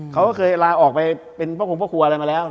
เขาก็เคยลาออกไปเป็นพระองค์พ่อครัวอะไรมาแล้ว